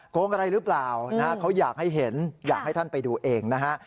โกงอะไรหรือเปล่านะฮะเขาอยากให้เห็นอยากให้ท่านไปดูเองนะฮะ